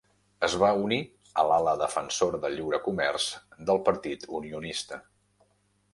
Es va unir a l'ala defensora del lliure comerç del Partit Unionista.